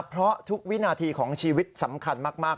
เพราะทุกวินาทีของชีวิตสำคัญมาก